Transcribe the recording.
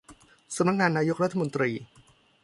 สำนักนายกรัฐมนตรี